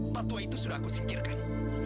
patwa itu sudah aku singkirkan